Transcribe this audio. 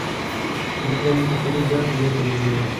د لرګیو بخاري زیات لوګی تولیدوي.